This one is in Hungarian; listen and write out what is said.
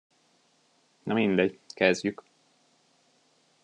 Na mindegy, kezdjük.